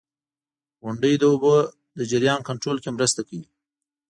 • غونډۍ د اوبو د جریان کنټرول کې مرسته کوي.